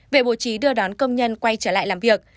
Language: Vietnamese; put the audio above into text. vệ bộ chí đưa đón công nhân quay trở lại làm việc